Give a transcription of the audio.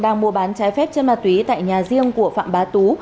đang mua bán trái phép chân ma túy tại nhà riêng của phạm bá tú